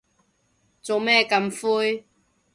做咩咁灰